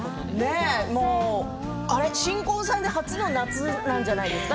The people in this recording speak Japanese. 新婚さんで初の夏なんじゃないですか？